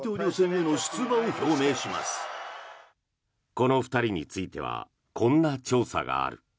この２人についてはこんな調査がある。